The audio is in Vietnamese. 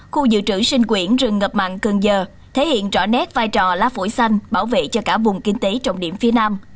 khu dự trữ sinh quyển rừng ngập mặn cần giờ thể hiện rõ nét vai trò lá phổi xanh bảo vệ cho cả vùng kinh tế trọng điểm phía nam